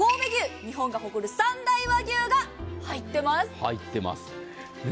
日本が誇る三大和牛が入っています。